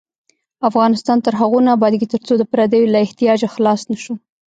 افغانستان تر هغو نه ابادیږي، ترڅو د پردیو له احتیاجه خلاص نشو.